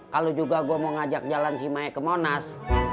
kalau juga gua mau ngajak jalan si maek ke monas